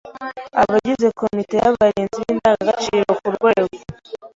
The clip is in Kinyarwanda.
Abagize komite y’abarinzi b’indangagaciro ku rwego